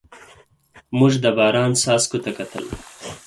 موږ د باران څاڅکو ته کتل.